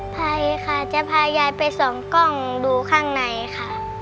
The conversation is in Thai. ไปค่ะจะพายายไปส่องกล้องดูข้างในค่ะ